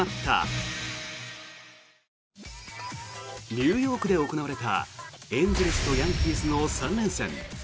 ニューヨークで行われたエンゼルスとヤンキースの３連戦。